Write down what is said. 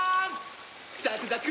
ザクザク！